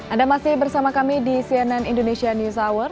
anda masih bersama kami di cnn indonesia news hour